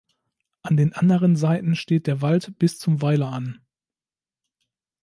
An den anderen Seiten steht der Wald bis zum Weiler an.